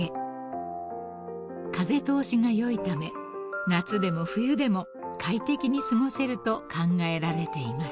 ［風通しが良いため夏でも冬でも快適に過ごせると考えられています］